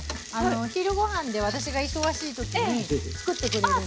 昼ごはんで私が忙しい時に作ってくれるんですよ。